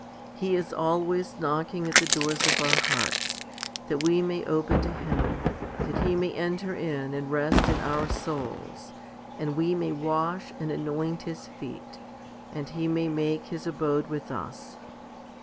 He is always knocking at the doors of our hearts, that we may open to Him, that He may enter in and rest in our souls, and we may wash and anoint His feet, and He may make His abode with us.